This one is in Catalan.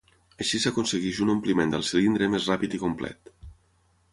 Així s'aconsegueix un ompliment del cilindre més ràpid i complet.